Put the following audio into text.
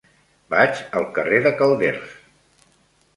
Vaig al carrer de Calders.